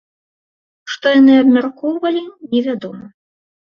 Што яны абмяркоўвалі, невядома.